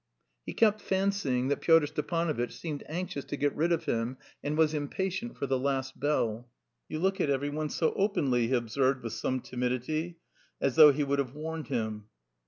He kept fancying that Pyotr Stepanovitch seemed anxious to get rid of him and was impatient for the last bell. "You look at every one so openly," he observed with some timidity, as though he would have warned him.